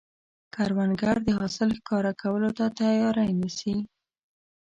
کروندګر د حاصل ښکاره کولو ته تیاری نیسي